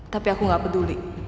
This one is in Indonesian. tapi aku gak peduli